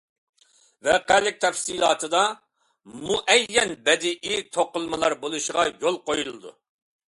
ۋەقەلىك تەپسىلاتىدا مۇئەييەن بەدىئىي توقۇلمىلار بولۇشىغا يول قويۇلىدۇ.